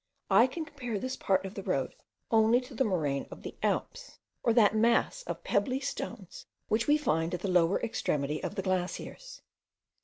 I can compare this part of the road only to the Moraine of the Alps or that mass of pebbly stones which we find at the lower extremity of the glaciers.